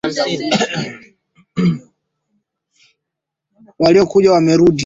Waliokuja wamerudi.